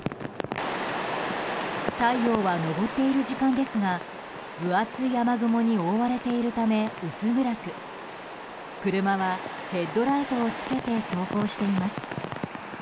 太陽は昇っている時間ですが分厚い雨雲に覆われているため薄暗く車はヘッドライトをつけて走行しています。